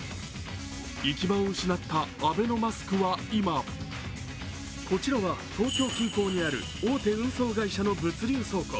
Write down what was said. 行き場を失ったアベノマスクは今こちらは、東京近郊にある大手運送会社の物流倉庫。